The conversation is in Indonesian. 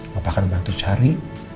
papa akan bantu cari